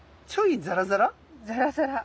ザラザラ。